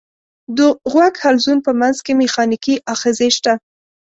د غوږ حلزون په منځ کې مېخانیکي آخذې شته.